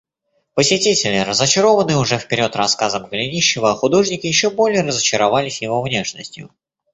Посетители, разочарованные уже вперед рассказом Голенищева о художнике, еще более разочаровались его внешностью.